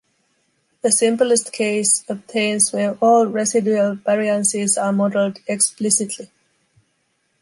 The simplest case obtains where all residual variances are modeled explicitly.